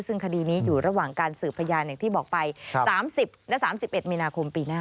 ซึ่งคดีนี้อยู่ระหว่างการสืบพยานอย่างที่บอกไป๓๐และ๓๑มีนาคมปีหน้า